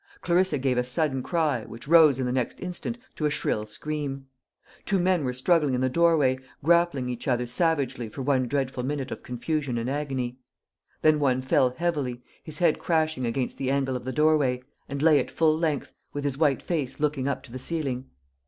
Clarissa gave a sudden cry, which rose in the next instant to a shrill scream. Two men were struggling in the doorway, grappling each other savagely for one dreadful minute of confusion and agony. Then one fell heavily, his head crashing against the angle of the doorway, and lay at full length, with his white face looking up to the ceiling.